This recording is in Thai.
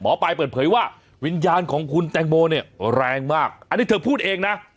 ปายเปิดเผยว่าวิญญาณของคุณแตงโมเนี่ยแรงมากอันนี้เธอพูดเองนะ